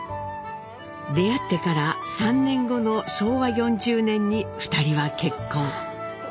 出会ってから３年後の昭和４０年に二人は結婚。